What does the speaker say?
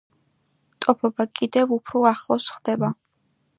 ტოფობა კიდევ უფრო ახლოს ხდება.